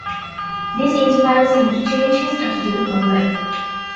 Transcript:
This inspires him to change his attitude on life.